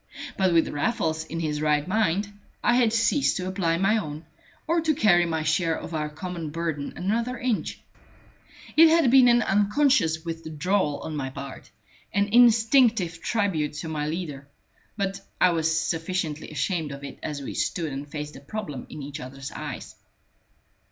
But with Raffles in his right mind, I had ceased to apply my own, or to carry my share of our common burden another inch. It had been an unconscious withdrawal on my part, an instinctive tribute to my leader; but I was sufficiently ashamed of it as we stood and faced the problem in each other's eyes.